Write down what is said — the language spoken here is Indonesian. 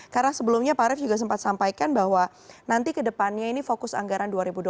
karena sebelumnya pak arief juga sempat sampaikan bahwa nanti kedepannya ini fokus anggaran dua ribu dua puluh tiga